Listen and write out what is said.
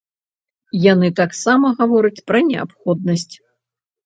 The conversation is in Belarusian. Яны таксама гавораць пра неабходнасць!